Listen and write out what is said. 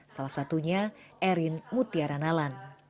salah satunya erin mutiara nalan